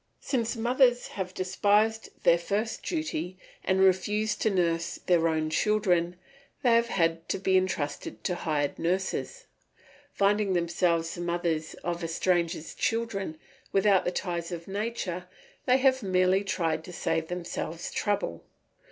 Since mothers have despised their first duty and refused to nurse their own children, they have had to be entrusted to hired nurses. Finding themselves the mothers of a stranger's children, without the ties of nature, they have merely tried to save themselves trouble.